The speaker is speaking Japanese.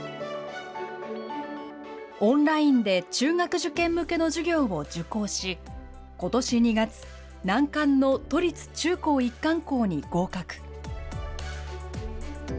オンラインで中学受験向けの授業を受講し、ことし２月、難関の都立中高一貫校に合格。